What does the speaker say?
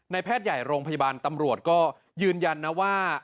แพทย์ใหญ่โรงพยาบาลตำรวจก็ยืนยันนะว่า